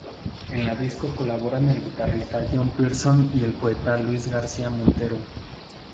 En el disco colaboran el guitarrista John Parsons y el poeta Luis García Montero.